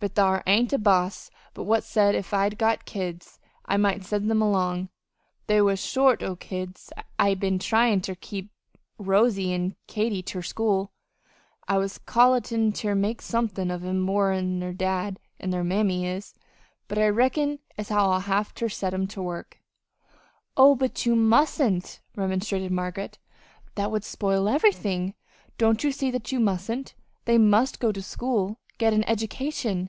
"But thar ain't a boss but what said if I'd got kids I might send them along. They was short o' kids. I been tryin' ter keep Rosy an' Katy ter school. I was cal'latin' ter make somethin' of 'em more'n their dad an' their mammy is: but I reckon as how I'll have ter set 'em ter work." "Oh, but you mustn't," remonstrated Margaret. "That would spoil everything. Don't you see that you mustn't? They must go to school get an education."